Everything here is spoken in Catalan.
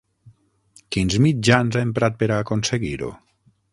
Quins mitjans ha emprat per a aconseguir-ho?